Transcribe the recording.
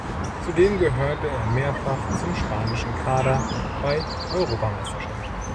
Zudem gehörte er mehrfach zum spanischen Kader bei Europameisterschaften.